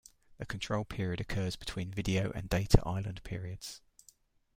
The Control Period occurs between Video and Data Island periods.